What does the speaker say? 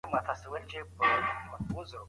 اسلامي ګوند له کمونست ګوند سره مخالف دی.